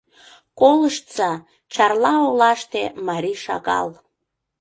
Колыштса: Чарла олаште марий шагал.